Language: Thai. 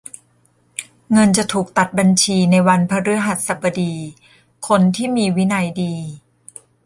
เงินจะถูกตัดบัญชีในวันพฤหัสบดี คนที่มีวินัยดี